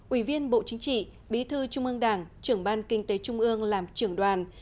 ủy viên bộ chính trị bí thư trung ương đảng trưởng ban kinh tế trung ương làm trưởng đoàn